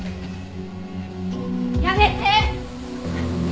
やめて！